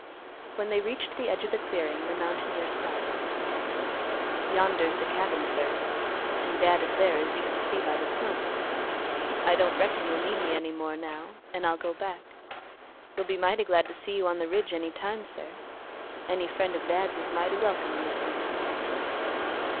When they reached the edge of the clearing, the mountaineer stopped. "Yonder's the cabin, sir, an' Dad is there, as you can see by the smoke. I don't reckon you'll need me any more now, an' I'll go back. We'll be mighty glad to see you on the ridge any time, sir. Any friend of Dad's is mighty welcome in this neighborhood."